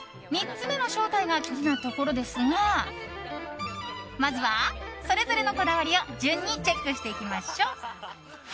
３つ目の正体が気になるところですがまずは、それぞれのこだわりを順にチェックしていきましょう。